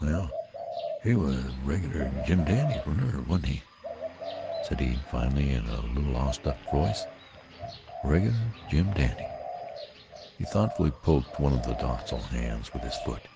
"Well, he was reg'lar jim dandy fer nerve, wa'n't he," said he finally in a little awestruck voice. "A reg'lar jim dandy." He thoughtfully poked one of the docile hands with his foot.